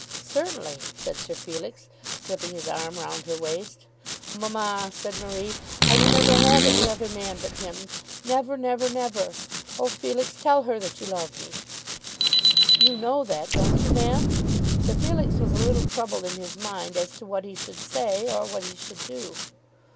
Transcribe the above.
"Certainly," said Sir Felix, slipping his arm round her waist. "Mamma," said Marie, "I will never have any other man but him; never, never, never. Oh, Felix, tell her that you love me." "You know that, don't you, ma'am?" Sir Felix was a little troubled in his mind as to what he should say, or what he should do.